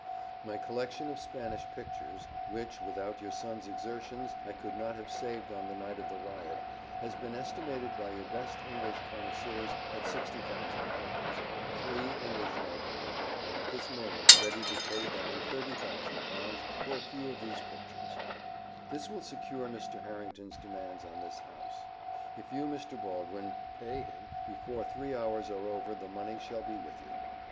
My collection of Spanish pictures, which, without your son's exertions, I could not have saved on the night of the riot, has been estimated by your best English connoisseurs at £60,000. Three English noblemen are at this moment ready to pay down £30,000 for a few of these pictures: this will secure Mr. Harrington's demand on this house. If you, Mr. Baldwin, pay him, before three hours are over the money shall be with you.